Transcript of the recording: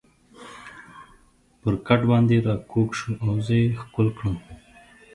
پر کټ باندې را کږ شو او زه یې ښکل کړم.